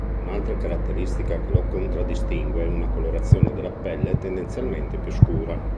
Un'altra caratteristica che li contraddistingue è una colorazione della pelle tendenzialmente più scura.